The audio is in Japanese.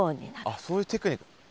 あっそういうテクニック。